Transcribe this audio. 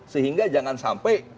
sehingga jangan sampai